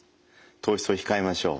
糖質を控えましょう。